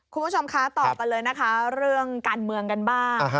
คุณผู้ชมคะต่อกันเลยนะคะเรื่องการเมืองกันบ้าง